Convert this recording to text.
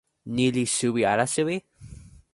ni li suwi ala suwi?